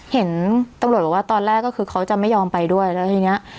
เห็นตำรวจบอกว่าตอนแรกก็คือเขาจะไม่ยอมไปด้วยแล้วทีเนี้ย